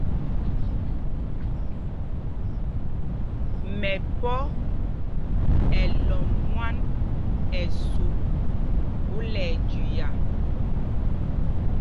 Mɛpɔ̄ ɛ́ lɔmb mwán ɛsûp phúla ɛjüia.